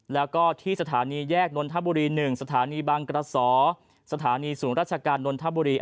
แล้วก็ที่สถานีแยกนนทบุรี๑สถานีบางกระสอสถานีศูนย์ราชการนนทบุรี